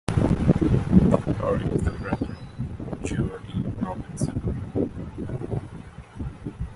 Torrie is the brother of Geordie Robertson.